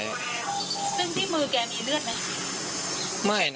ซึ่งที่มือแกมีเลือดไหม